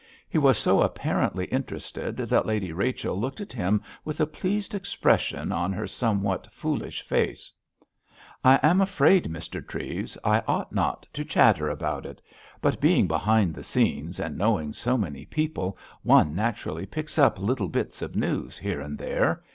He was so apparently interested that Lady Rachel looked at him with a pleased expression on her somewhat foolish face. "I am afraid, Mr. Treves, I ought not to chatter about it. But being behind the scenes, and knowing so many people one naturally picks up little bits of news here and there.